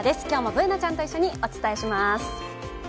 今日もＢｏｏｎａちゃんとお伝えします